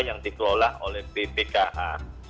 yang dikelola oleh ppkh